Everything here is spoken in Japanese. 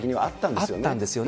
あったんですよね。